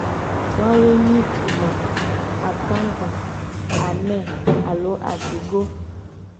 Woa wo ye nyi tugba, akagba, ane alo ajigo.